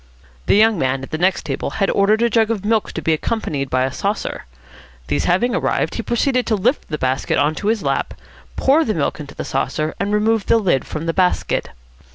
The young man at the next table had ordered a jug of milk to be accompanied by a saucer. These having arrived, he proceeded to lift the basket on to his lap, pour the milk into the saucer, and remove the lid from the basket.